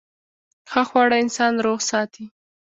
ښه خواړه انسان روغ ساتي.